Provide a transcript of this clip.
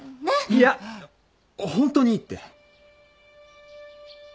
いやホントにいいって！